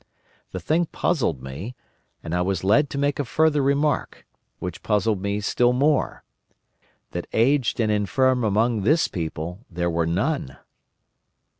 The thing puzzled me, and I was led to make a further remark, which puzzled me still more: that aged and infirm among this people there were none.